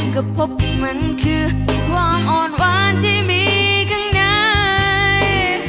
ก็พบมันคือความอ่อนหวานที่มีข้างใน